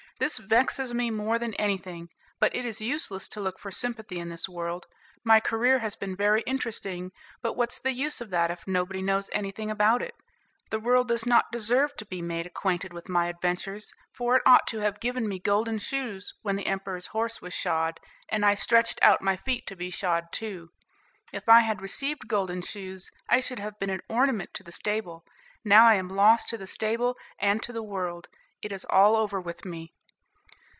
This vexes me more than anything. But it is useless to look for sympathy in this world. My career has been very interesting, but what's the use of that if nobody knows anything about it? The world does not deserve to be made acquainted with my adventures, for it ought to have given me golden shoes when the emperor's horse was shod, and I stretched out my feet to be shod, too. If I had received golden shoes I should have been an ornament to the stable; now I am lost to the stable and to the world. It is all over with me."